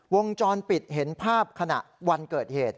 วงจรปิดเห็นภาพขณะวันเกิดเหตุ